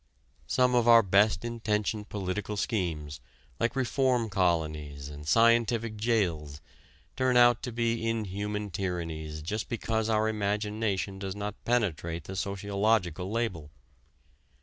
Some of our best intentioned political schemes, like reform colonies and scientific jails, turn out to be inhuman tyrannies just because our imagination does not penetrate the sociological label.